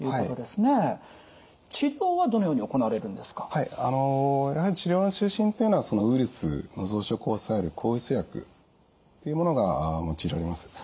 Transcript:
はいやはり治療の中心というのはウイルスの増殖を抑える抗ウイルス薬というものが用いられます。